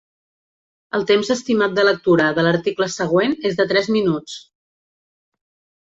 El temps estimat de lectura de l'article següent és de tres minuts.